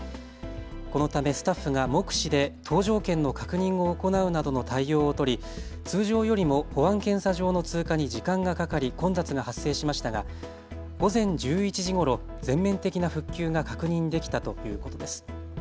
このためスタッフが目視で搭乗券の確認を行うなどの対応を取り通常よりも保安検査場の通過に時間がかかり混雑が発生しましたが午前１１時ごろ、全面的な復旧が確認できたということです。